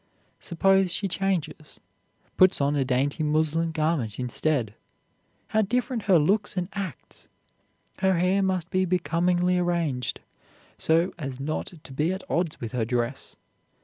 Suppose she changes, puts on a dainty muslin garment instead; how different her looks and acts! Her hair must be becomingly arranged, so as not to be at odds with her dress.